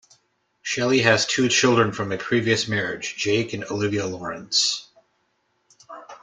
Shelley has two children from a previous marriage, Jake and Olivia Lawrence.